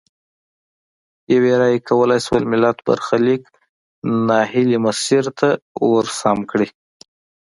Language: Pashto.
یوې رایې کولای شول ملت برخلیک نا هیلي مسیر ته ورسم کړي.